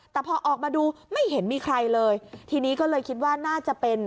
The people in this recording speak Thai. แต่พอออกมาดูไม่เห็นมีใครเลยทีนี้ก็เลยคิดว่าน่าจะเป็น